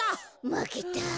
まけた。